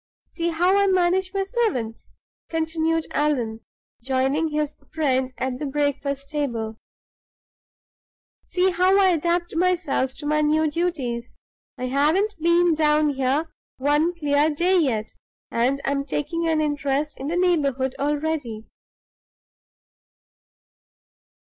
See how I manage my servants!" continued Allan, joining his friend at the breakfast table. "See how I adapt myself to my new duties! I haven't been down here one clear day yet, and I'm taking an interest in the neighborhood already."